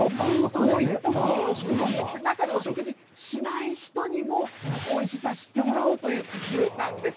こういったものを、中でお食事しない人にも、おいしさ知ってもらおうという工夫なんです。